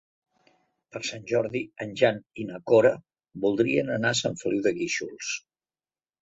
Per Sant Jordi en Jan i na Cora voldrien anar a Sant Feliu de Guíxols.